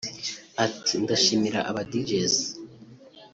Ati “Ndashimira aba Djs